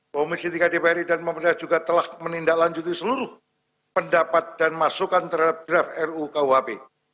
komisi tiga dpri dan pemerintah juga telah menindaklanjuti seluruh pendapat dan masukan terhadap draft ruu kuhp